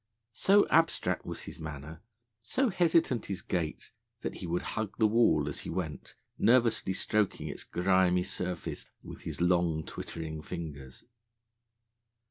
So abstract was his manner, so hesitant his gait, that he would hug the wall as he went, nervously stroking its grimy surface with his long, twittering fingers.